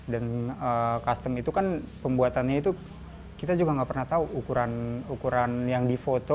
dan custom itu kan pembuatannya itu kita juga nggak pernah tahu ukuran yang difoto